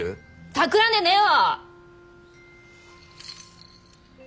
たくらんでねえわ！